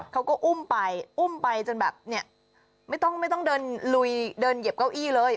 เขาก็อุ้มไปอุ้มไปจนแบบเนี่ยไม่ต้องไม่ต้องเดินลุยเดินเหยียบเก้าอี้เลย